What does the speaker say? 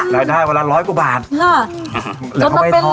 รายได้ประมาณร้อยกว่าบาท